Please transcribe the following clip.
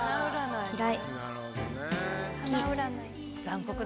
嫌い。